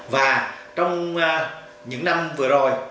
và trong những năm vừa rồi